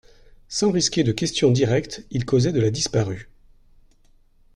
Sans risquer de questions directes, il causait de la disparue.